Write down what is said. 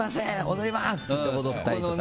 踊ります！って言って踊ったりとか。